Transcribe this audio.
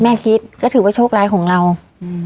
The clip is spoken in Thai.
คิดก็ถือว่าโชคร้ายของเราอืม